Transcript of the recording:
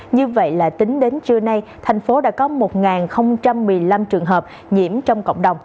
như vậy là tính đến trưa nay thành phố đã có một một mươi năm trường hợp nhiễm trong cộng đồng